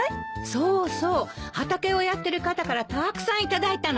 そうそう畑をやってる方からたくさん頂いたのよ。